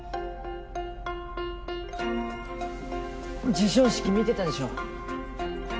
授賞式見てたでしょ？